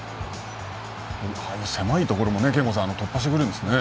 狭いところも憲剛さん突破してくるんですね。